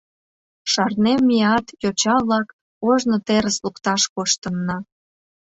Шарнем, меат, йоча-влак, ожно терыс лукташ коштынна.